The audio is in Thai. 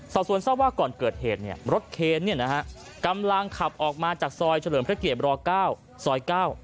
สอบสวนทราบว่าก่อนเกิดเหตุรถเคนกำลังขับออกมาจากซอยเฉลิมพระเกียร๙ซอย๙